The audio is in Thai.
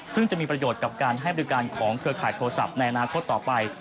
ซึ่งจะมีประโยชน์กับการให้บริการของเครือข่ายโทรศัพท์ในอนาคตต่อไป